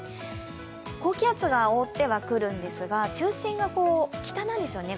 高気圧が覆ってはくるんですが中心が北なんですよね。